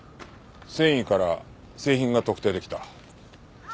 繊維から製品が特定出来た。